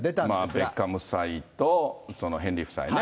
まあ、ベッカム夫妻とヘンリー夫妻ね。